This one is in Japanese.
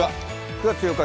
９月８日